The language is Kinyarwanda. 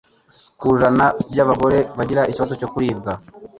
ku ijana by'abagore bagira ikibazo cyo kuribwa